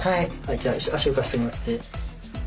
じゃあ足浮かしてもらって。